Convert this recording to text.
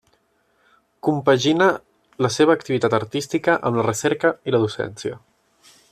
Compagina la seva activitat artística amb la recerca i la docència.